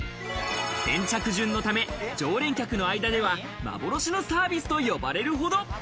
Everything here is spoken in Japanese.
先着順のため、常連客の間では幻のサービスと呼ばれるほど。